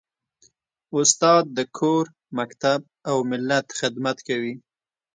استاد د کور، مکتب او ملت خدمت کوي.